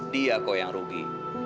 dia kok yang rugi